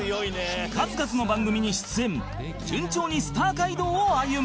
数々の番組に出演順調にスター街道を歩む